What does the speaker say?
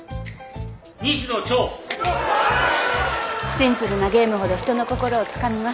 シンプルなゲームほど人の心をつかみます。